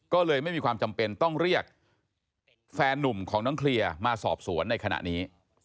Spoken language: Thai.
ก็เลยไม่มีความจำเป็นต้องเรียกแฟนนุ่มของน้องเคลียร์มาสอบสวนในขณะนี้